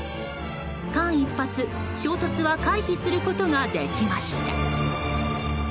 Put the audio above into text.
間一髪、衝突は回避することができました。